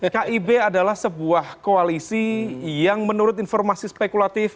kib adalah sebuah koalisi yang menurut informasi spekulatif